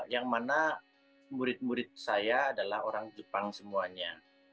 yang mana murid murid saya adalah orang jepang semuanya